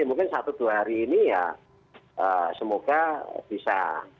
mungkin satu dua hari ini ya semoga bisa